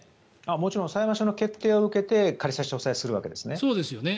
もちろん裁判所の決定を受けて仮差し押さえをするわけですね。